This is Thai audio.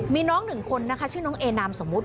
มีน้องหนึ่งคนนะคะชื่อน้องเอนามสมมุติ